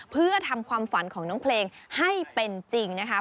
เพื่อทำความฝันของน้องเพลงให้เป็นจริงนะคะ